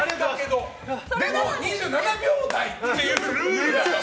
でも２７秒台というルールだから。